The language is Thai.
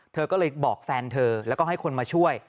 เธอก็เลยบอกแฟนเธอแล้วก็ให้คนมาช่วย